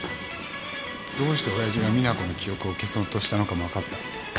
どうして親父が実那子の記憶を消そうとしたのかも分かった。